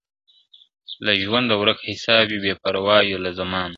له ژوندونه ورک حساب وي بې پروا یو له زمانه ..